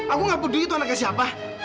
aku gak peduli itu anaknya siapa